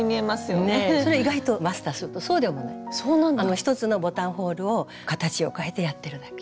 １つのボタンホールを形を変えてやってるだけ。